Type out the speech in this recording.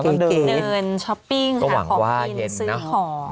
นั่นเดินเจอเดินช้อปปิ้งหาของกินซื้อของ